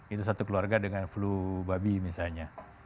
itu satu keluarga dengan flu babi misalnya